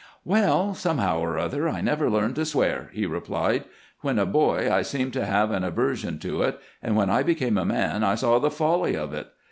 "Well, somehow or other, I never learned to swear," he replied. " When a boy I seemed to have an aversion to it, and when I became a man I saw the folly of it.